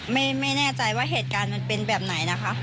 ไม่แน่ใจว่าเหตุการณ์มันเป็นแบบไหนนะคะ